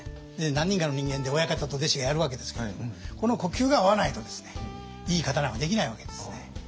何人かの人間で親方と弟子がやるわけですけれどこの呼吸が合わないとですねいい刀はできないわけですね。